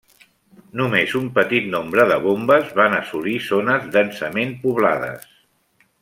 Només un petit nombre de bombes van assolir zones densament poblades.